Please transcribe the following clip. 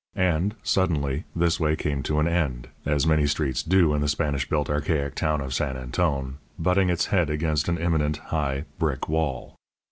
And, suddenly, this way came to an end (as many streets do in the Spanish built, archaic town of San Antone), butting its head against an imminent, high, brick wall.